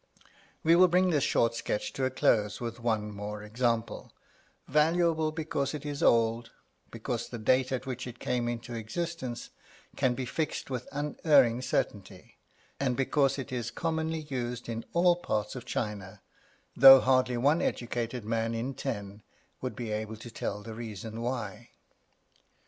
We will bring this short sketch to a close with one more example, valuable because it is old, because the date at which it came into existence can be fixed with unerring certainty, and because it is commonly used in all parts of China, though hardly one educated man in ten would be able to tell the reason why.